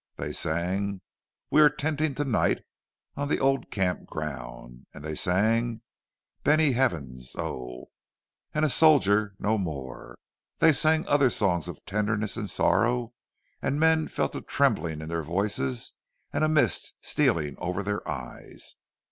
—They sang "We are tenting to night on the old camp ground"; they sang "Benny Havens, Oh!" and "A Soldier No More"; they sang other songs of tenderness and sorrow, and men felt a trembling in their voices and a mist stealing over their eyes.